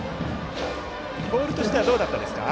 ボールとしてはどうだったですか？